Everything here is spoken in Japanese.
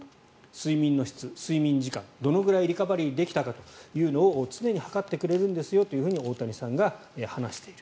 睡眠の質、睡眠時間どのくらいリカバリーできたかというのを常に測ってくれるんですよと大谷さんが話している。